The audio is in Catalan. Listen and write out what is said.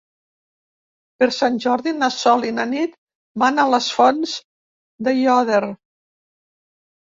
Per Sant Jordi na Sol i na Nit van a les Fonts d'Aiòder.